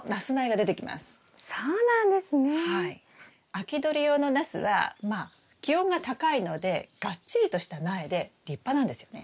秋どり用のナスはまあ気温が高いのでがっちりとした苗で立派なんですよね。